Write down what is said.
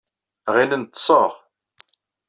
Ɣilen ḍḍseɣ.